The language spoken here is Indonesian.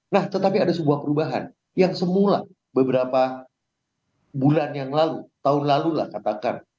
nah tetapi ada sebuah perubahan yang semula beberapa bulan yang lalu tahun lalu lah katakan